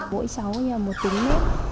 mỗi cháu như một tính nếp